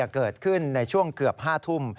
เกิดขึ้นในช่วงเกือบ๕ทุ่ม